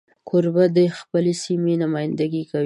کوربه د خپلې سیمې نمایندګي کوي.